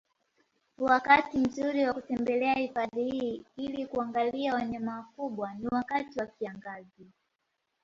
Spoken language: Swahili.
Wakati mzuri wa kutembelea hifadhi hii ili kuangaliwa wanyama wakubwa ni wakati wa kiangazi